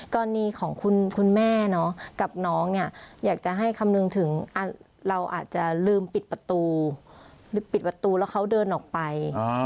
กรณีของคุณแม่กับน้องเนี่ยอยากจะให้คำนึงถึงเราอาจจะลืมปิดประตูลืมปิดประตูแล้วเขาเดินออกไป